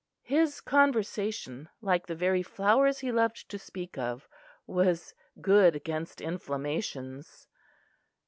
His conversation, like the very flowers he loved to speak of, was "good against inflammations."